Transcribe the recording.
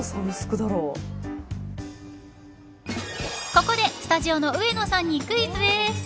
ここでスタジオの上野さんにクイズです。